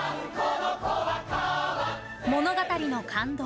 物語の感動